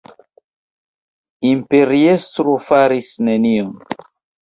Imperiestro faris nenion.